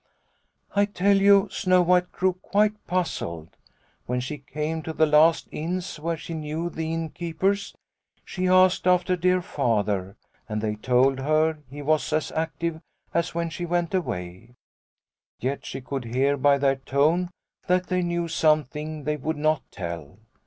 " I tell you Snow White grew quite puzzled. When she came to the last inns where she knew the innkeepers, she asked after dear Father, and they told her he was as active as when she 52 Liliecrona's Home went away. Yet she could hear by their tone that they knew something they would not tell.